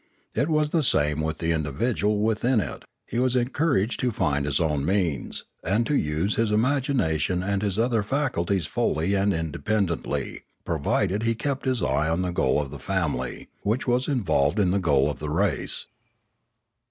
It was the same with the individual within it; he was encouraged to find his own means, and to use his imagination and his other faculties fully and independently, provided he kept his eye on the goal of the family, which was in volved in the goal of the race.